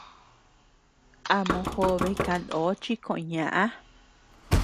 A mojobe kanó chi koʼö ñaʼä.